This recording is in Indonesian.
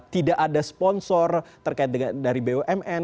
tidak ada sponsor terkait dengan dari bumn